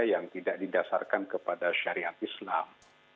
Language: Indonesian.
yang tidak didasarkan kepada syariat islam